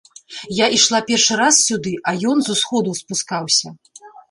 Я ішла першы раз сюды, а ён з усходаў спускаўся.